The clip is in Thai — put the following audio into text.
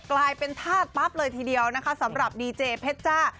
กลายเป็นธาตุปั๊บเลยทีเดียวนะคะสำหรับดีเจเพชรจ้า